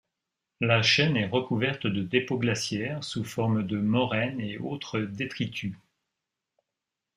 La chaîne est recouverte de dépôts glaciaires, sous forme de moraines et autres détritus.